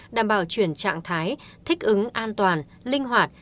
đảm bảo chuyển trạng thái thích ứng an toàn linh hoạt